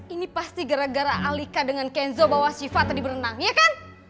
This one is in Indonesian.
ini pasti gara gara alika dengan kenzo bawa siva tadi berenang ya kan